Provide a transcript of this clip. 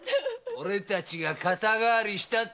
俺たちが肩代わりしたってわけよ！